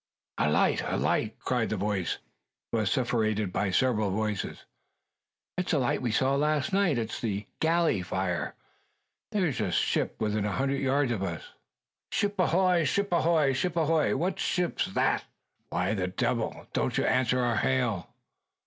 "A light! a light!" came the cry, vociferated by several voices. "It's the light we saw last night. It's the galley fire! There's a ship within a hundred yards of us!" "Ship ahoy! ship ahoy!" "Ship ahoy! what ship's that?" "Why the devil don't you answer our hail?"